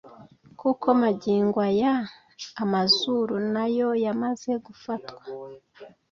kuko magingo aya amazuru na yo yamaze gufatwa